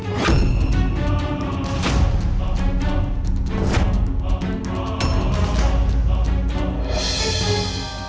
tidak ada apa apa